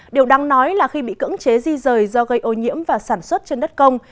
điều đáng nói là khi bị cưỡng chế di rời do gây ô nhiễm và sản xuất trên đất công